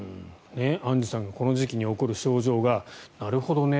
アンジュさんがこの時期に起こる症状がなるほどね